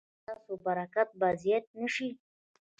ایا ستاسو برکت به زیات نه شي؟